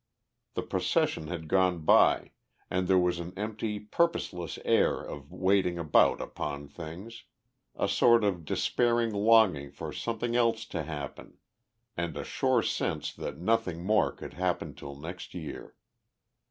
The procession had gone by, and there was an empty, purposeless air of waiting about upon things, a sort of despairing longing for something else to happen and a sure sense that nothing more could happen till next year.